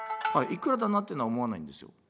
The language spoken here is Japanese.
いくらだなっていうのは思わないんですよ。